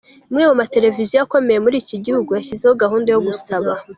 Imwe mu mateleviziyo akomeye muri iki gihugu yashyizeho gahunda yo gusaba.